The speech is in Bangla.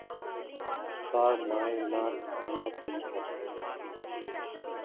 তাঁর মায়ের নাক আন্না থমসন।